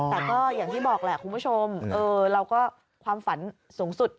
แต่ก็อย่างที่บอกแหละคุณผู้ชมเราก็ความฝันสูงสุด